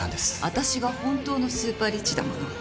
私が本当のスーパーリッチだもの。